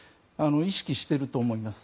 意識していると思います。